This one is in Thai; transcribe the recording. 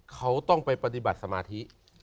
เขาต้องไปปฏิบัติสมาธิ